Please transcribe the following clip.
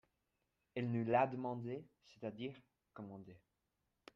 Elle nous l'a demandé, c'est-à-dire commandé.